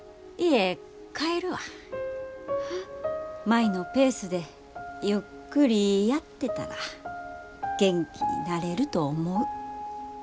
舞のペースでゆっくりやってたら元気になれると思う。